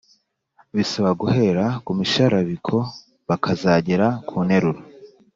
bisaba guhera ku misharabiko bakazagera ku nteruro.